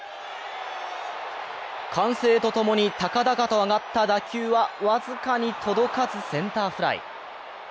歓声とともに、高々と上がった打球は僅かに届かずセンターフライ。